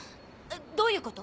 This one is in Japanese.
どういうこと？